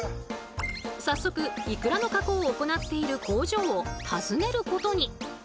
早速いくらの加工を行っている工場を訪ねることに。